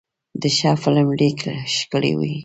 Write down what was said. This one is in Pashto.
د ښه قلم لیک ښکلی وي.